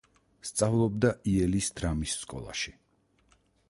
სწავლობდა იელის დრამის სკოლაში.